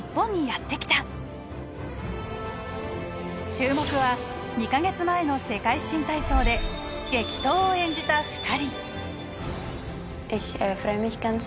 注目は２カ月前の世界新体操で激闘を演じた２人。